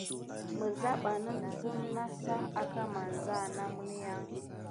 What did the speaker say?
Mizabanih zime nasam aka masaha na məlinya an.